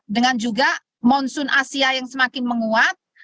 dengan juga monsoon asia yang semakin menguat